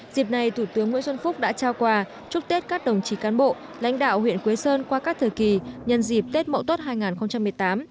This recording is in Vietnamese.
dịp này thủ tướng nguyễn xuân phúc đã trao quà chúc tết các đồng chí cán bộ lãnh đạo huyện quế sơn qua các thời kỳ nhân dịp tết mậu tốt hai nghìn một mươi tám